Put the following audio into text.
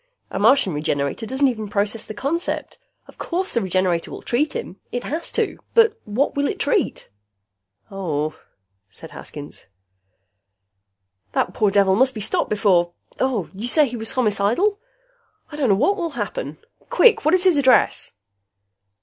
A Martian Regenerator doesn't even process the concept. Of course the Regenerator will treat him. It has to. But what will it treat?" "Oh," said Haskins. "That poor devil must be stopped before you say he was homicidal? I don't know what will happen! Quick, what is his address?"